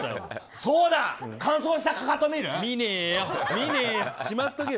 そうだ、乾燥したかかと見る？